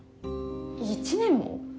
１年も！？